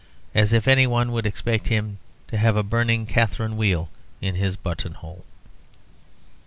As if any one would expect him to have a burning Catherine wheel in his button hole.